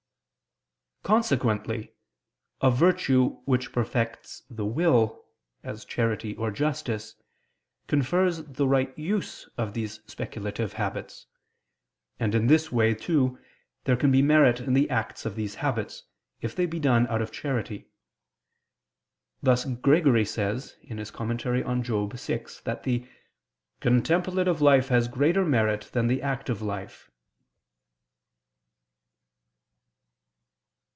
Consequently a virtue which perfects the will, as charity or justice, confers the right use of these speculative habits. And in this way too there can be merit in the acts of these habits, if they be done out of charity: thus Gregory says (Moral. vi) that the "contemplative life has greater merit than the active life."